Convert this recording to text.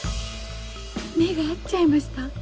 目が合っちゃいました。